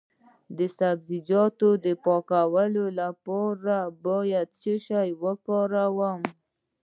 د سبزیجاتو د پاکوالي لپاره باید څه شی وکاروم؟